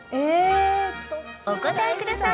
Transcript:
お答えください！